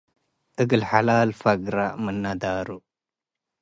እግል ሐላል ፈግረ ምነ ዳሩ